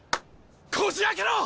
こじあけろ！